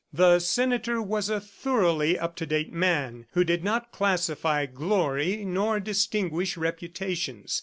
The senator was a thoroughly up to date man who did not classify glory nor distinguish reputations.